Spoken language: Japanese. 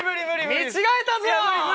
見違えたぞ！